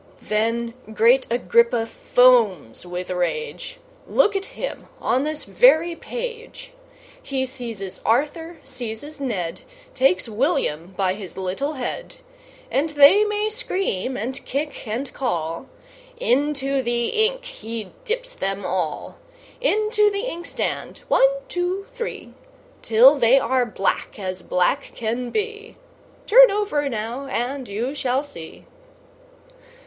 Then great Agrippa foams with rage Look at him on this very page! He seizes Arthur, seizes Ned, Takes William by his little head; And they may scream and kick and call, Into the ink he dips them all; Into the inkstand, one, two, three, Till they are black as black can be; Turn over now, and you shall see.